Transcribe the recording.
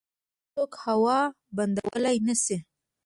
هیڅوک هوا بندولی نشي.